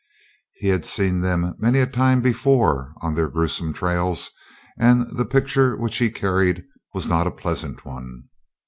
He had seen them many a time before on their gruesome trails, and the picture which he carried was not a pleasant one.